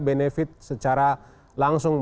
benefit secara langsung